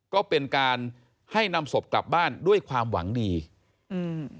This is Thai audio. ก็เป็นการให้นำศพกลับบ้านด้วยความหวังดีอืม